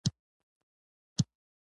څنگه يې ومنم.